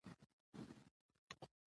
کار د انسان د ژوند یوه اساسي اړتیا ده